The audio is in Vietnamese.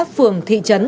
phường thị trấn